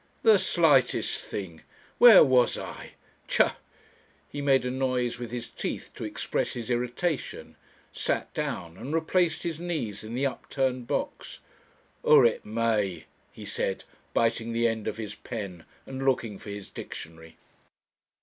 "The slightest thing! Where was I? Tcha!" He made a noise with his teeth to express his irritation, sat down, and replaced his knees in the upturned box. "Urit me," he said, biting the end of his pen and looking for his dictionary.